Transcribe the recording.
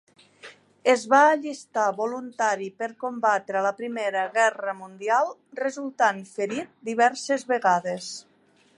Es va allistar voluntari per combatre a la Primera Guerra Mundial, resultant ferit diverses vegades.